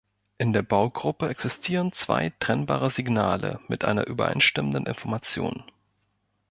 In der Baugruppe existieren zwei trennbare Signale mit einer übereinstimmenden Information.